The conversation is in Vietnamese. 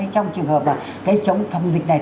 trong trường hợp là cái chống phòng dịch này